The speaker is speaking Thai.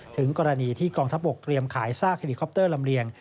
ถึงกรณีที่กองทัพบกเตรียมขายซากเฮลิคอปเตอร์ลำเลียง